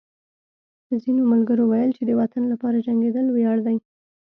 ځینو ملګرو ویل چې د وطن لپاره جنګېدل ویاړ دی